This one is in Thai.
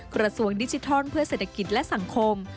กระทรวงดิจิทัลเพื่อเศรษฐกิจและสังคม